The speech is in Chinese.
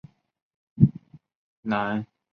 南宋宝佑四年与文天祥等人同科中进士。